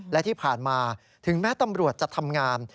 และที่ผ่านมาถึงแม้ตำรวจจะทำงาน